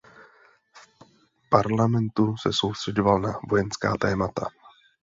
V parlamentu se soustřeďoval na vojenská témata.